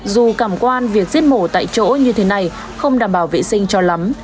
dù cảm quan việc giết mổ tại chỗ như thế này không đảm bảo vệ sinh cho lắm